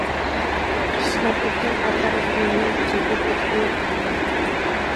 كىشنەپ ئۆتكەن ئاتلار ئىزىدىن يەنە چېپىپ ئۆتىدۇ تۇلپار.